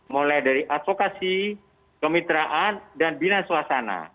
mulai dari advokasi kemitraan dan bina suasana